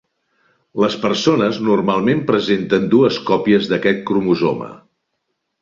Les persones normalment presenten dues còpies d'aquest cromosoma.